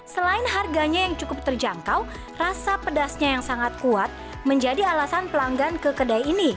selain harganya yang cukup terjangkau rasa pedasnya yang sangat kuat menjadi alasan pelanggan ke kedai ini